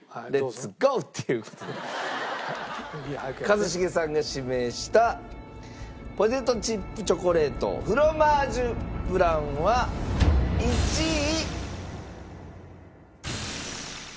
一茂さんが指名したポテトチップチョコレートフロマージュブランは１位。